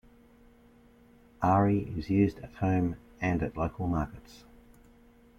Aari is used at home and at local markets.